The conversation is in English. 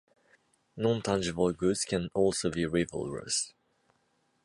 Non-tangible goods can also be rivalrous.